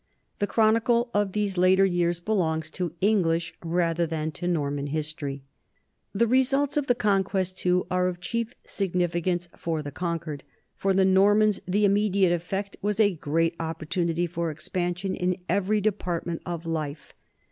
The chronicle of these later years belongs to English rather than to Norman history. The results of the Conquest, too, are of chief signifi cance for the conquered. For the Normans the immedi ate effect was a great opportunity for expansion in every department of life.